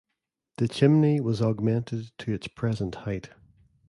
The chimney was augmented to its present height.